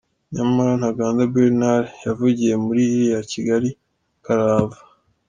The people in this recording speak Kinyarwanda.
Nyamara Ntaganda Bernard yavugiye muri iliya Kigali karahava!